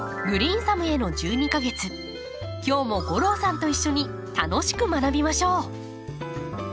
今日も吾郎さんと一緒に楽しく学びましょう。